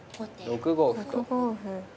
６五歩。